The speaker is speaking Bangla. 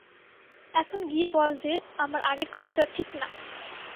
এখন গিয়ে বল যে, আমার আগের কথাটা ঠিক না।